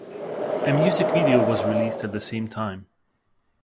A music video was released at the same time.